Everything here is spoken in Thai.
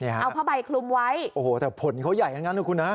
เอาผ้าใบคลุมไว้โอ้โหแต่ผลเขาใหญ่ทั้งนั้นนะคุณฮะ